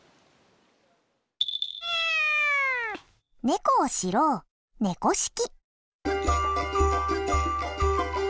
猫を知ろう「猫識」。